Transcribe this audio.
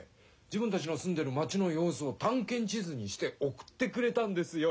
自分たちのすんでる町のようすをたんけん地図にしておくってくれたんですよ。